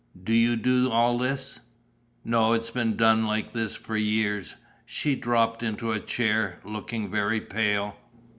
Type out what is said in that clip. "Do you do all this?" "No, it's been done like this for years...." She dropped into a chair, looking very pale.